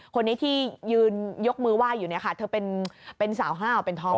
คนนี้ที่ยืนยกมือไหว้อยู่เนี่ยค่ะเธอเป็นสาวห้าวเป็นท้อง